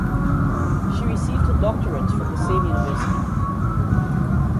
She received her doctorate from the same university.